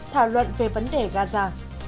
thảo luận về vấn đề gaza